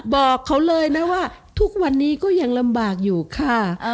บอกเขาเลยนะว่าทุกวันนี้ก็ยังลำบากอยู่ค่ะ